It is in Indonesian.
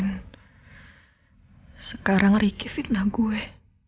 dan sekarang ricky fitnah gue